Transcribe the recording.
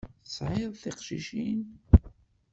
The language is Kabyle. Tesɛiḍ tiqcicin?